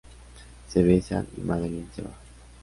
Se besan y Madeline se va.